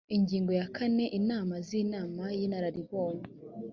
ingingo ya kane inama z inama y inararibonye